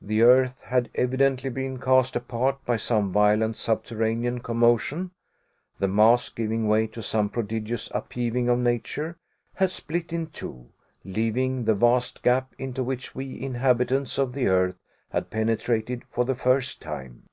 The earth had evidently been cast apart by some violent subterranean commotion. The mass, giving way to some prodigious upheaving of nature, had split in two, leaving the vast gap into which we inhabitants of the earth had penetrated for the first time.